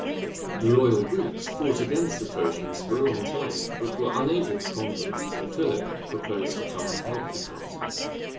The loyal Greeks fought against the Phocians for a long time, but were unable to conquer them: so Philip proposed to come and help the council.